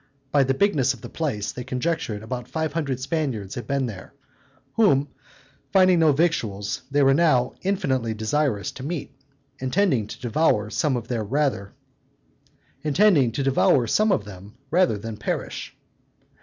By the bigness of the place, they conjectured about five hundred Spaniards had been there, whom, finding no victuals, they were now infinitely desirous to meet, intending to devour some of them rather than perish.